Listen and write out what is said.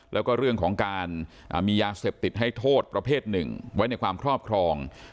แล้วก็เรื่องของการมียาเสพติดให้โทษประเภทหนึ่งไว้ในความครอบครอง